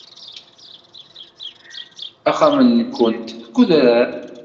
Axxam-nwent deg udrar.